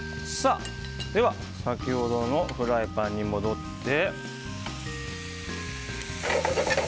先ほどのフライパンに戻って。